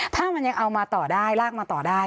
ถ้ามันยังเอามาต่อได้ลากมาต่อได้